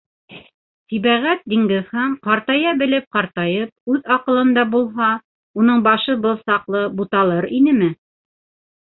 Сибәғәт-Диңгеҙхан ҡартая белеп ҡартайып, үҙ аҡылында булһа, уның башы был саҡлы буталыр инеме?